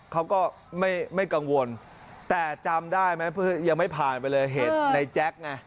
เขาก็ไม่กังวลแต่จำได้ไหมยังไม่ผ่านไปเลยเหตุในแจ๊คไง